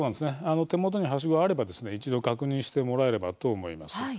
手元にはしご、あれば一度、確認してもらえればと思います。